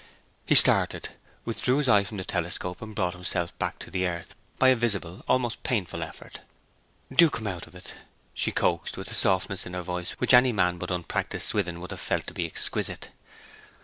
He started, withdrew his eye from the telescope, and brought himself back to the earth by a visible almost painful effort. 'Do come out of it,' she coaxed, with a softness in her voice which any man but unpractised Swithin would have felt to be exquisite.